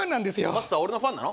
マスター俺のファンなの？